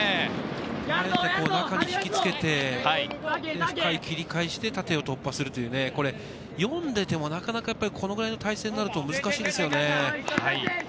あえて中に引きつけて深い切り返しで縦を突破する、これ読んでいても、なかなかこのぐらいの体勢になると難しいですね。